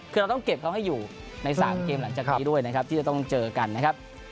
คือเราต้องเก็บเขาให้อยู่ใน๓เกมหลังจากนี้ด้วยนะครับที่จะต้องเจอกันนะครับ